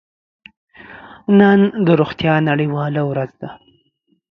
نن د روغتیا نړیواله ورځ ده.